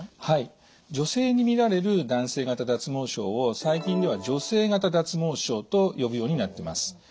女性にみられる男性型脱毛症を最近では女性型脱毛症と呼ぶようになってます。